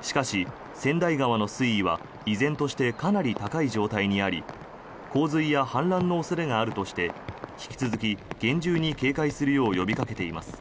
しかし、川内川の水位は依然としてかなり高い状態にあり洪水や氾濫の恐れがあるとして引き続き、厳重に警戒するよう呼びかけています。